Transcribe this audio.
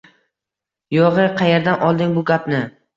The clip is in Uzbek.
- Yo'g'e, qayerdan olding bu gapni?!